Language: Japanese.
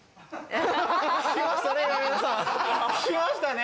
聞きましたね